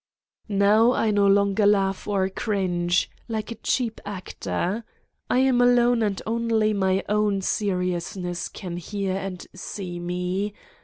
Now I no longer laugh or cringe, like a cheap actor. I am alone and only my own seriousness can hear and see Me.